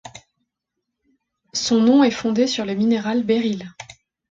Son nom est fondé sur le minéral béryl.